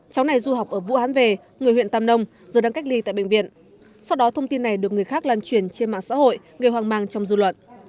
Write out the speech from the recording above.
cháu này du học ở vũ hán về người huyện tam nông rồi đang cách ly tại bệnh viện sau đó thông tin này được người khác lan truyền trên mạng xã hội gây hoang mang trong dư luận